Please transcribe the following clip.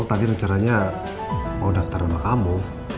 aku tadi rencananya mau daftar nama kamu